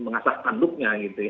mengasah panduknya gitu ya